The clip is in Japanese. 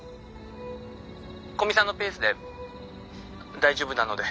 古見さんのペースで大丈夫なので。